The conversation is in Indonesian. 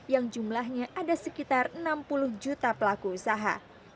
yang jumlahnya ada sekitar enam puluh juta pelaku usaha